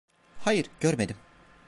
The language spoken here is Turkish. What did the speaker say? Hayır, görmedim.